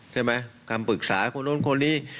ใช่ไหมคำปรึกษาคนนู้นคนนี้